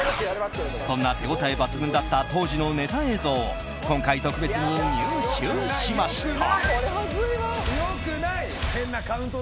そんな手応え抜群だった当時のネタ映像を今回、特別に入手しました。